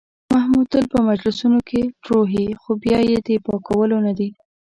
محمود تل په مجلسونو کې ټروهي، خو بیا یې د پاکولو نه دي.